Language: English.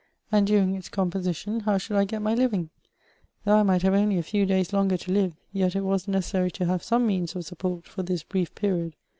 and during its compo* dition, how should I get my living ? Though 1 might have only a few days longer to live, yet it was necessary to have some means of support for this brief period.